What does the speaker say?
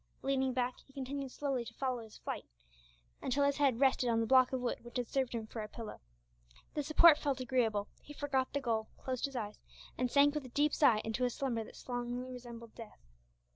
Leaning back, he continued slowly to follow its flight, until his head rested on the block of wood which had served him for a pillow. The support felt agreeable, he forgot the gull, closed his eyes, and sank with a deep sigh into a slumber that strongly resembled death.